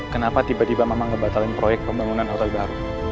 kenapa tiba tiba mama ngebatalkan proyek pembangunan hotel baru